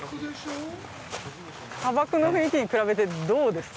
砂漠の雰囲気に比べて、どうですか。